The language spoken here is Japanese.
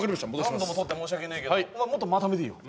何度も撮って申し訳ねえけどもっと間ためていいよ